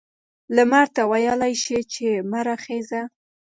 لمر ته ویلای شي چې مه را خیژه؟